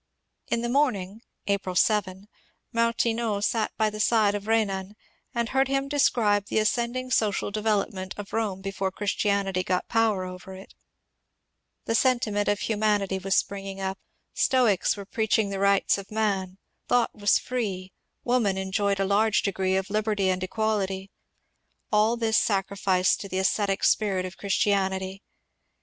In the morning (April 7) Martineau sat by the side ERNEST RENAN 403 of Renan and heard him describe the ascending social devel opment of Rome before Christianity got power over it : the sentiment of humanity was springing up, Stoics were preach ing the rights of man, thought was free, woman enjoyed a large degree of liberty and equality, — all this sacrificed to the ascetic spirit of Christianity.